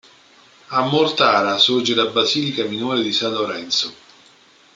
A Mortara sorge la basilica minore di San Lorenzo.